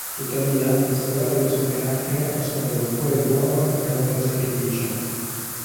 Tuttavia, questo lato del suo carattere nasconde un cuore buono e pronto al sacrificio.